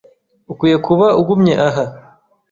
ukwiye kuba ugumye aha .